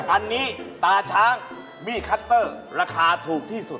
อันนี้ตาช้างมี่คัตเตอร์ราคาถูกที่สุด